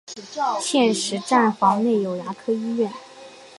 现时站房内有牙科医院。